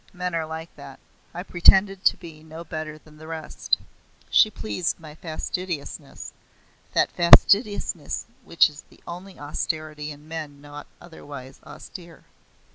Men are like that. I pretend to be no better than the rest. She pleased my fastidiousness that fastidiousness which is the only austerity in men not otherwise austere.